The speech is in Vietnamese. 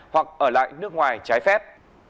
hoặc ở lại nước ngoài trái phép